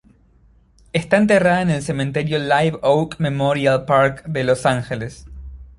Está enterrada en el Cementerio Live Oak Memorial Park de Los Ángeles.